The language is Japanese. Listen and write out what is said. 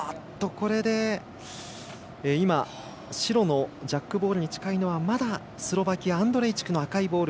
白のジャックボールに近いのはスロバキアのアンドレイチクの赤いボール。